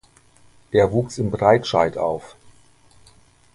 Er wuchs in Breitscheid auf.